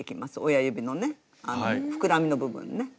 親指のね膨らみの部分ね。